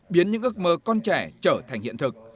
biến những ước mơ con trẻ trở thành hiện thực